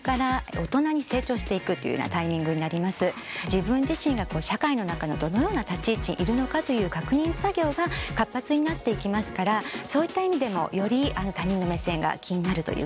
自分自身が社会の中のどのような立ち位置にいるのかという確認作業が活発になっていきますからそういった意味でもより他人の目線が気になるということになります。